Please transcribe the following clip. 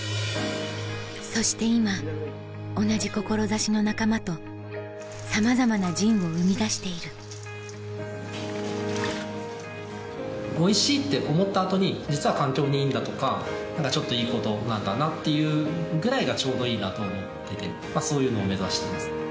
そして今同じ志の仲間とさまざまなジンを生み出している「おいしい」って思った後に実は環境にいいんだとかちょっといいことなんだなっていうぐらいがちょうどいいなと思っててそういうのを目指しています。